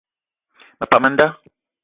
Me pam a nda.